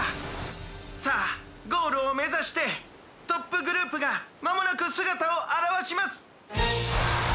さあゴールをめざしてトップグループがまもなくすがたをあらわします！」。